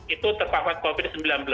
itu terpapar covid sembilan belas